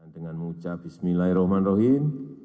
dengan mengucap bismillahirrahmanirrahim